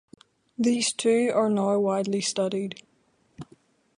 These too are now widely studied.